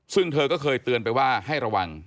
ซึ่งเธอก็เคยเตือนไปว่าให้ระวัง